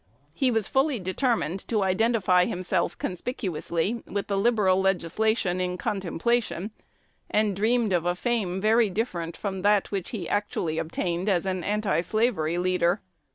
He was fully determined to identify himself conspicuously with the "liberal" legislation in contemplation, and dreamed of a fame very different from that which he actually obtained as an antislavery leader.